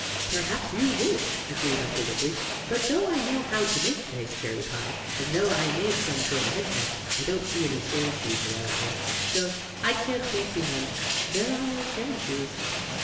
"Perhaps you would," agreed Uncle Wiggily, "but, though I know how to make nice cherry pie, and though I made some for the hedgehog, I don't see any cherry trees around here, so I can't make you one. There are no cherry trees."